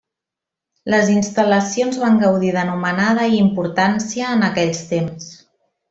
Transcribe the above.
Les instal·lacions van gaudir d'anomenada i importància en aquells temps.